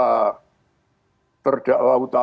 terdakwa utama itu tidak ada faktor yang berbeda